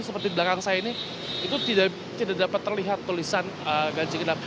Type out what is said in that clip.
seperti di belakang saya ini itu tidak dapat terlihat tulisan ganjil genap